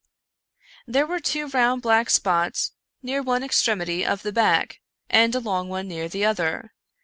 There were two round black spots near one ex tremity of the back, and a long one near the other.